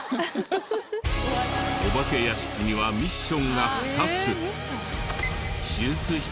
お化け屋敷にはミッションが２つ。